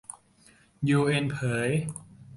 ยูเอ็นเผย